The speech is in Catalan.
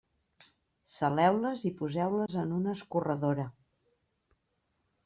Saleu-les i poseu-les en una escorredora.